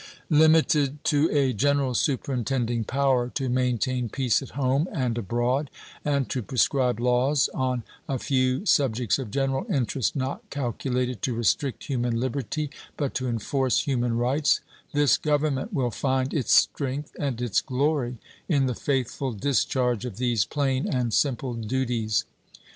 Limited to a general superintending power to maintain peace at home and abroad, and to prescribe laws on a few subjects of general interest not calculated to restrict human liberty, but to enforce human rights, this Government will find its strength and its glory in the faithful discharge of these plain and simple duties.